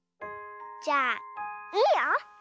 じゃあいいよ。